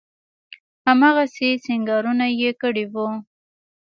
هماغسې سينګارونه يې کړي وو.